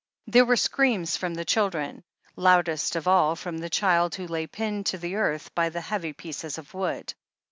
There were screams from the children, loudest of all from the child who lay pinned to the earth by the heavy pieces of wood.